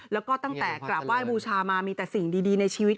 แล้วก็ตั้งแต่กราบไหว้บูชามามีแต่สิ่งดีในชีวิต